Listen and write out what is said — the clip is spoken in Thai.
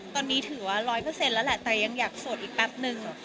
ตอนนี้ถือว่าร้อยเปอร์เซ็นต์แล้วแหละแต่ยังอยากโสดอีกแป๊บนึง